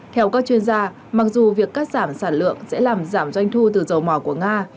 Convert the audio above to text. theo các chuyên gia mặc dù việc cắt giảm sản lượng sẽ làm giảm doanh thu từ dầu mỏ của nga